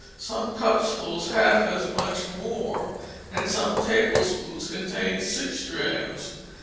Some cups hold half as much more, and some tablespoons contain six drachms.